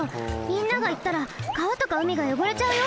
みんなが行ったらかわとかうみがよごれちゃうよ！